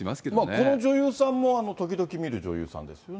この女優さんも時々見る女優さんですよね。